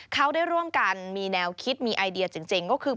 เขาได้ร่วมกันมีแนวคิดมีไอเดียจริงก็คือ